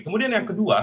kemudian yang kedua